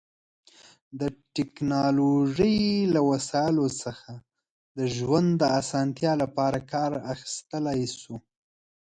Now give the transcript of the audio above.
د ټیکنالوژی له وسایلو څخه د ژوند د اسانتیا لپاره کار اخیستلی شو